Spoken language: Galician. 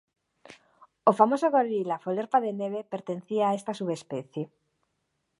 O famoso gorila Folerpa de Neve pertencía a esta subespecie.